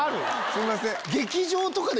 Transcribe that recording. すいません。